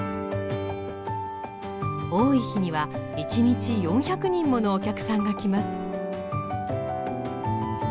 多い日には１日４００人ものお客さんが来ます。